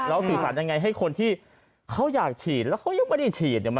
สื่อสารยังไงให้คนที่เขาอยากฉีดแล้วเขายังไม่ได้ฉีด